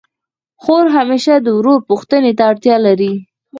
خور همېشه د ورور پوښتني ته اړتیا لري.